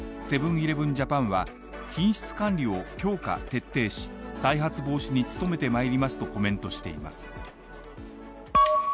セブン−イレブン・ジャパンは、品質管理を強化・徹底し再発防止に努めてまいりますとコメントしています。